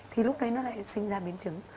thì lúc đấy nó lại sinh ra biến chứng